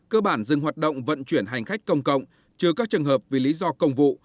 cơ bản dừng hoạt động vận chuyển hành khách công cộng trừ các trường hợp vì lý do công vụ